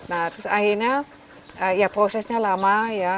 nah terus akhirnya prosesnya lama